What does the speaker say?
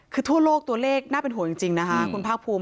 คือทั่วโลกตัวเลขน่าเป็นห่วงจริงนะคะคุณภาคภูมิ